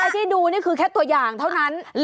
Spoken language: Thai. ที่ดูนี่คือแค่ตัวอย่างเท่านั้น